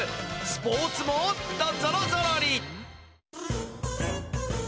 スポーツもっとぞろぞろり！